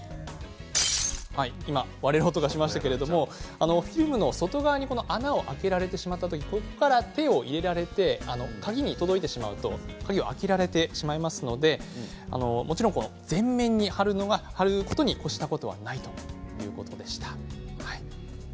今、割れる音がしましたけれどフィルムの外側に穴を開けられてしまって、そこから手を伸ばして鍵に届いてしまうと開けられてしまうので全面に貼ることに越したことはないということでした。